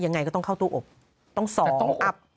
ยังไงก็ต้องเข้าตู้อบต้อง๒อัพ